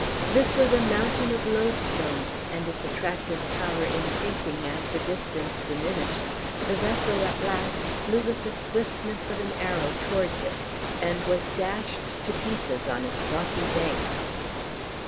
This was a mountain of loadstone, and, its attractive power increasing as the distance diminished, the vessel at last flew with the swiftness of an arrow towards it, and was dashed to pieces on its rocky base.